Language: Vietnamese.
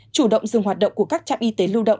chủ động dừng hoạt động của các trạm y tế lưu động